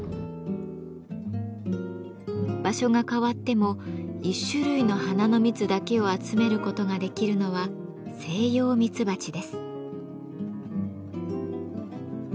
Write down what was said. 場所が変わっても１種類の花の蜜だけを集めることができるのはセイヨウミツバチです。